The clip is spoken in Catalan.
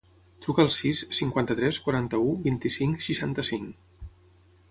Truca al sis, cinquanta-tres, quaranta-u, vint-i-cinc, seixanta-cinc.